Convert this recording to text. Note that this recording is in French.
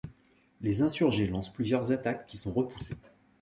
Les insurgés lancent plusieurs attaques qui sont repoussées.